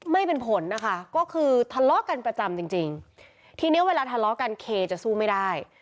ไม่เป็นผลนะคะก็คือทะเลาะกันประจำจริงจริงทีเนี้ยเวลาทะเลาะกันเคจะสู้ไม่ได้